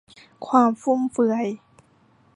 ความฟุ่มเฟือย